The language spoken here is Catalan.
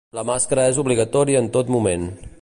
La màscara és obligatòria en tot moment.